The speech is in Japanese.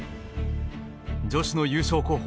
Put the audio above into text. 女子の優勝候補